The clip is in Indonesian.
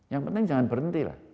yang penting jangan berhenti